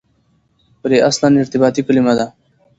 پرې اصلاً ارتباطي کلیمه ده.